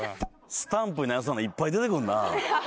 スタンプになりそうなのいっぱい出てくるな。